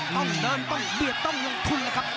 ต้องเดินต้องเบียดต้องลงทุนนะครับ